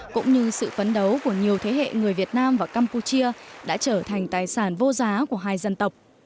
cũng như sự phấn đấu của nhiều thế hệ người việt nam và campuchia đã trở thành tài sản vô giá của hai dân tộc